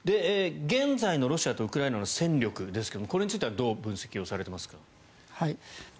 現在のロシアとウクライナの戦力ですがこれについてはどう分析されていますか？